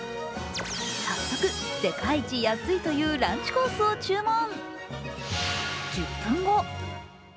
早速、世界一安いというランチコースを注文。